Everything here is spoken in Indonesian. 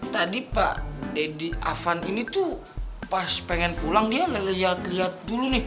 tadi pak deddy afan ini tuh pas pengen pulang dia melihat lihat dulu nih